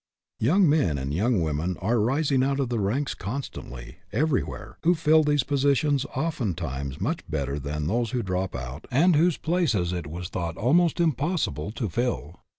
Young men and young women are rising out of the ranks constantly, everywhere, who fill these positions oftentimes much better than those who drop out and whose places it was thought almost impossible to fill.